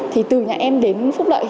thì từ nhà em đến phúc lợi